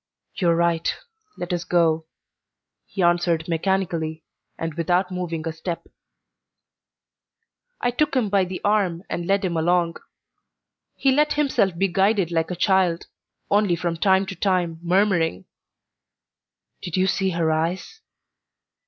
"You are right. Let us go," he answered mechanically, but without moving a step. I took him by the arm and led him along. He let himself be guided like a child, only from time to time murmuring, "Did you see her eyes?"